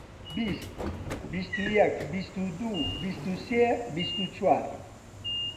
بیست، بیست و یەک، بیست و دوو، بیست و سێ، بیست و چوار.